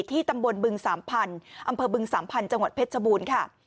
ที่ตำบลบึงสามพันธุ์อำเภอบึงสามพันธุ์จังหวัดเพชรชบูรณ์ค่ะ